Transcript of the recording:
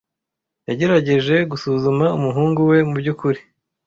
Yagerageje gusuzuma umuhungu we mubyukuri.